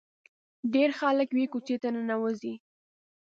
ډېر خلک یوې کوڅې ته ننوځي.